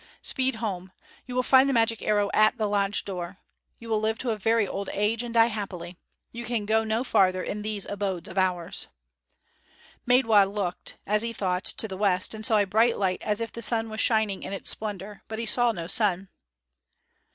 Speed home! You will find the magic arrow at the lodge door. You will live to a very old age, and die happily. You can go no farther in these abodes of ours." Maidwa looked, as he thought, to the west, and saw a bright light as if the sun was shining in its splendor, but he saw no sun.